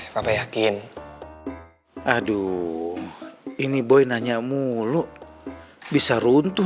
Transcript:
papa yakin aduh ini boy nanya mulu bisa runtuh